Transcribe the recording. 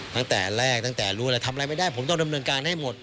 ตั้งแต่แรกตั้งแต่รู้แล้วทำอะไรไม่ได้ผมต้องดำเนินการให้หมด